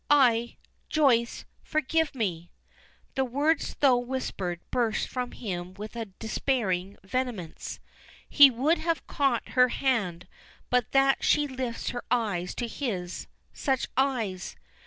I Joyce, forgive me!" The words, though whispered, burst from him with a despairing vehemence. He would have caught her hand but that she lifts her eyes to his such eyes!